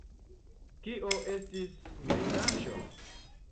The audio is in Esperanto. Kio estis mirindaĵo?